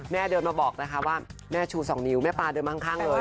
เดินมาบอกนะคะว่าแม่ชู๒นิ้วแม่ปลาเดินมาข้างเลย